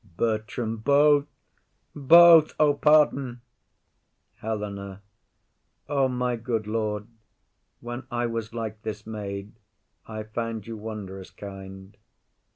BERTRAM. Both, both. O, pardon! HELENA. O, my good lord, when I was like this maid; I found you wondrous kind.